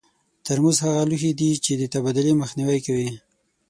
ترموز هغه لوښي دي چې د تبادلې مخنیوی کوي.